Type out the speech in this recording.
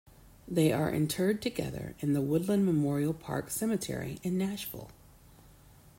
They are interred together in the Woodlawn Memorial Park Cemetery in Nashville.